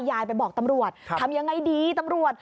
ยายไปบอกตำรวจทำยังไงดีตำรวจ